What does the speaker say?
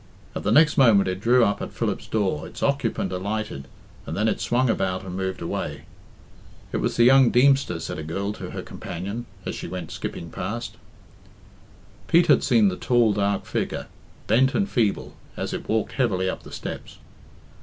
At the next moment it drew up at Philip's door, its occupant alighted, and then it swung about and moved away. "It was the young Deemster," said a girl to her companion, as she went skipping past. Pete had seen the tall, dark figure, bent and feeble, as it walked heavily up the steps.